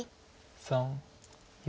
３４。